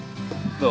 どう？